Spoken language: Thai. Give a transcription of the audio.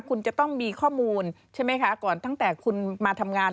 คุณจะต้องมีข้อมูลใช่ไหมคะก่อนตั้งแต่คุณมาทำงาน